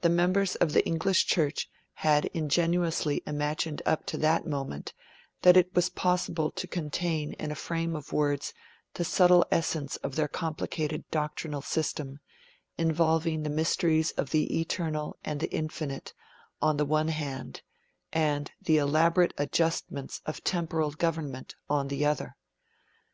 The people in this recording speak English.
The members of the English Church had ingenuously imagined up to that moment that it was possible to contain, in a frame of words, the subtle essence of their complicated doctrinal system, involving the mysteries of the Eternal and the Infinite on the one hand, and the elaborate adjustments of temporal government on the other.